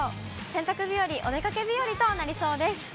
洗濯日和、お出かけ日和となりそうです。